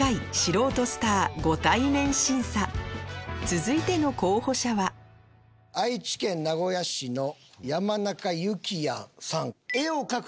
続いての候補者は愛知県名古屋市の。